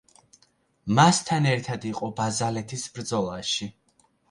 მასთან ერთად იყო ბაზალეთის ბრძოლაში.